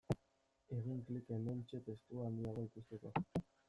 Egin klik hementxe testua handiago ikusteko.